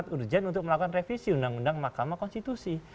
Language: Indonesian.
empat urgent untuk melakukan revisi undang undang mahkamah konstitusi